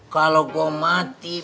kalau gue mati